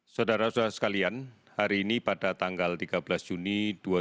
saudara saudara sekalian hari ini pada tanggal tiga belas juni dua ribu dua puluh